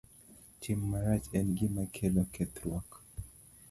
Tim marach en gima kelo kethruok.